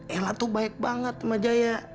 ella tuh baik banget sama jaya